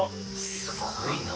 すごいな。